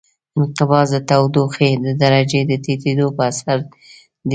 انقباض د تودوخې د درجې د ټیټېدو په اثر دی.